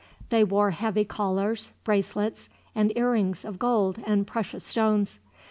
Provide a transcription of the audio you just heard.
They wore heavy collars, bracelets, and earrings of gold and precious stones.